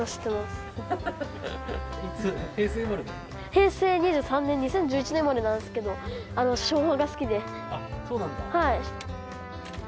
平成２３年２０１１年生まれなんですけどあっそうなんだはい